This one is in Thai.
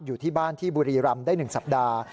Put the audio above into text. อยู่ที่บ้านที่บุรีรำได้๑สัปดาห์